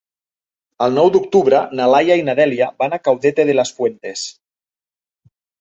El nou d'octubre na Laia i na Dèlia van a Caudete de las Fuentes.